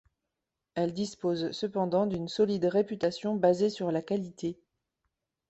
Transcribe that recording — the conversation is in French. Elle dispose cependant d'une solide réputation basée sur la qualité.